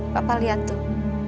papa lihat tuh